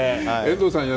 遠藤さん